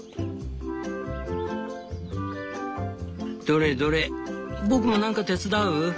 「どれどれ僕もなんか手伝う？